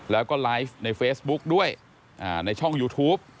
แล้วก็ไลฟ์ในเฟซบุ๊กด้วยในช่องยูทูป